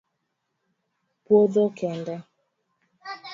Puodho kende?